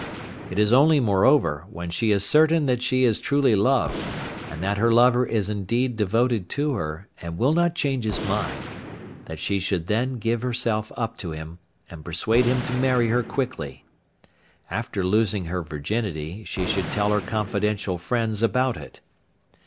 It is only, moreover, when she is certain that she is truly loved, and that her lover is indeed devoted to her, and will not change his mind, that she should then give herself up to him, and persuade him to marry her quickly. After losing her virginity she should tell her confidential friends about it.